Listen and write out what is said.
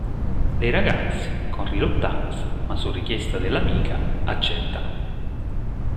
Le ragazze, con riluttanza, ma su richiesta dell’amica, accettano.